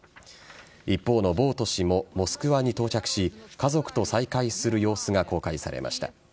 一方のボウト氏もモスクワに到着し家族と再会する様子が公開されました。